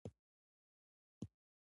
هرات د افغانستان د پوهنې نصاب کې شامل دی.